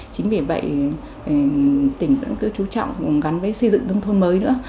chính vì vậy tỉnh cũng cứ chú trọng gắn với xây dựng tâm thôn mới nữa